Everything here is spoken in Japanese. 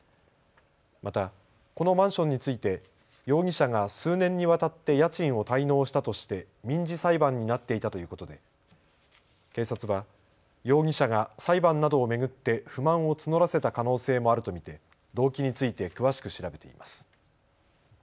また、このマンションについて容疑者が数年にわたって家賃を滞納したとして民事裁判になっていたということで警察は容疑者が裁判などを巡って不満を募らせた可能性もあると見て動機について詳しく調べています。